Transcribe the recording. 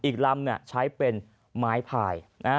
อีกลำใช้เป็นไม้พาย